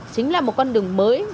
chính là một con đường mới